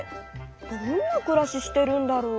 どんなくらししてるんだろう？